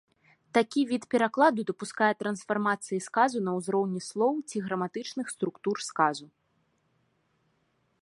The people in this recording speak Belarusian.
Такі від перакладу дапускае трансфармацыі сказу на ўзроўні слоў ці граматычных структур сказу.